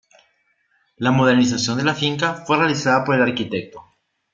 La modernización de la finca fue realizada por el Arq.